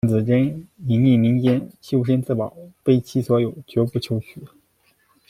郑子真隐逸民间，修身自保，非其所有，决不求取。